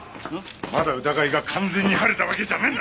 まだ疑いが完全に晴れたわけじゃないんだ。